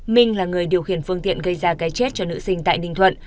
minh là người điều khiển phương tiện gây ra cái chết cho nữ sinh tại ninh thuận